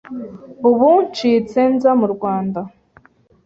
ubu ncitse nza mu Rwanda,